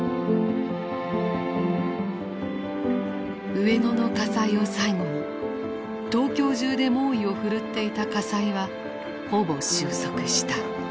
上野の火災を最後に東京中で猛威を振るっていた火災はほぼ収束した。